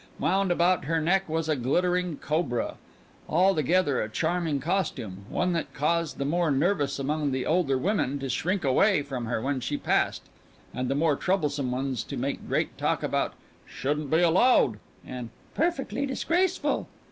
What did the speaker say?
Wound about her neck was a glittering cobra. Altogether a charming costume one that caused the more nervous among the older women to shrink away from her when she passed, and the more troublesome ones to make great talk about "shouldn't be allowed" and "perfectly disgraceful."